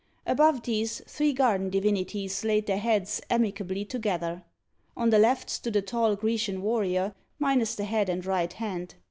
Above these, three garden divinities laid their heads amicably together. On the left stood a tall Grecian warrior, minus the head and right hand.